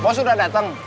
bos udah dateng